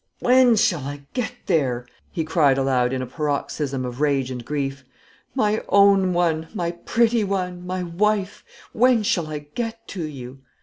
"When shall I get there?" he cried aloud, in a paroxysm of rage and grief. "My own one, my pretty one, my wife, when shall I get to you?"